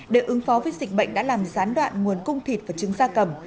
để ứng phó với dịch bệnh đã làm gián đoạn nguồn cung thịt và trứng gia cầm